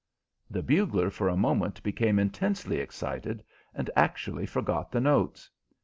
The bugler for a moment became intensely excited, and actually forgot the notes.